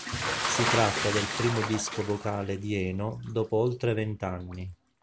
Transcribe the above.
Si tratta del primo disco vocale di Eno dopo oltre vent'anni.